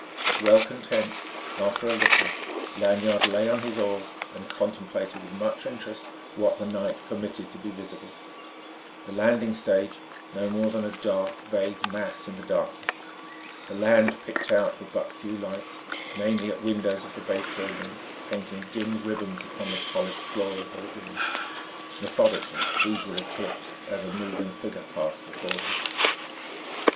Well content, after a little, Lanyard lay on his oars and contemplated with much interest what the night permitted to be visible: the landing stage, no more than a dark, vague mass in the darkness; the land picked out with but few lights, mainly at windows of the base buildings, painting dim ribbons upon the polished floor of the lagoon. Methodically these were eclipsed as a moving figure passed before them.